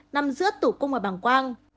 nằm giữa tử cung và bảng quang